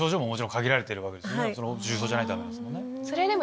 重症じゃないとダメですもんね。